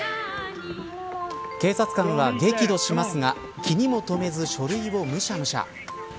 警察官は激怒しますが気にも止めず書類をむしゃむしゃ。